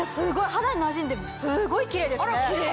肌になじんですごいキレイですね。